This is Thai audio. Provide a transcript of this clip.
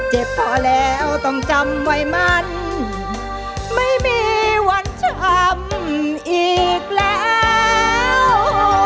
เจ็บพอแล้วต้องจำไว้มันไม่มีวันช้ำอีกแล้ว